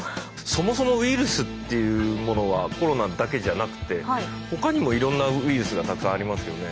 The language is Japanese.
そもそもウイルスというものはコロナだけじゃなくて他にもいろんなウイルスがたくさんありますけどね。